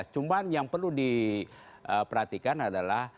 cuma yang perlu diperhatikan adalah